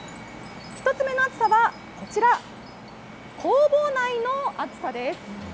１つ目のあつさはこちら、工房内の暑さです。